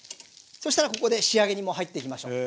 そしたらここで仕上げにもう入っていきましょう。